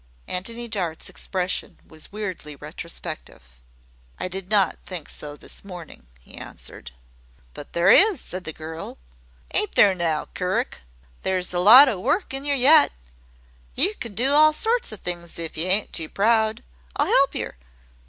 Antony Dart's expression was weirdly retrospective. "I did not think so this morning," he answered. "But there is," said the girl. "Ain't there now, curick? There's a lot o' work in yer yet; yer could do all sorts o' things if y' ain't too proud. I'll 'elp yer.